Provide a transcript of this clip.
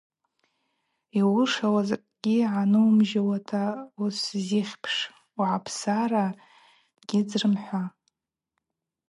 Йуылшауа закӏгьи гӏанумыжьуата усзихьпш, угӏапсара гьыдзрым – хӏва.